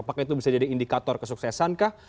apakah itu bisa jadi indikator kesuksesankah